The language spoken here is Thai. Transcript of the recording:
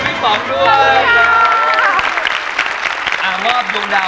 พี่น้องพี่สองด้วย